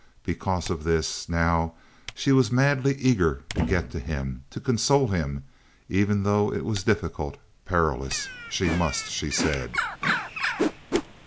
Because of this, now she was madly eager to get to him, to console him, even though it was difficult, perilous. She must, she said.